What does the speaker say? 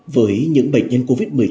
với những bệnh nhân covid một mươi chín